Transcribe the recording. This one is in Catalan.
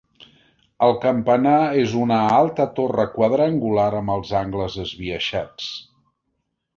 El campanar és una alta torre quadrangular amb els angles esbiaixats.